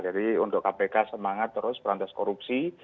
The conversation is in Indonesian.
jadi untuk kpk semangat terus berantas korupsi